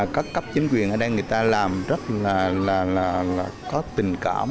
các cấp chính quyền ở đây người ta làm rất là có tình cảm